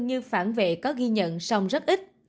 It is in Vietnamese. như phản vệ có ghi nhận sông rất ít